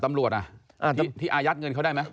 ตำรวจที่อายัดเงินเขาได้ไหม